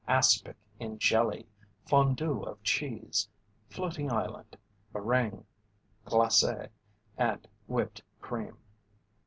Aspic in jelly. Fondu of cheese. Floating Island. Meringue glacé, and Whipped Cream."